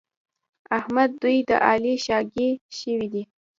احمد دوی د علي شاګی شوي دي.